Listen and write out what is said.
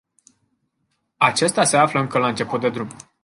Acesta se află încă la început de drum.